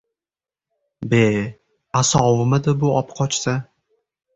— Be! Аsovmidi bu opqochsa?!